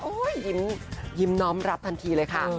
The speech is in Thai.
ยิ้มน้อมรับทันทีเลยค่ะ